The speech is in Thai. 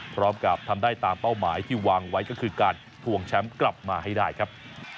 พร้อมกับทำได้ตามเป้าหมายที่วางไว้ก็คือการทวงแชมป์กลับมาให้ได้ครับ